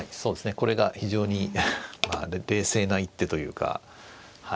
これが非常に冷静な一手というかはい。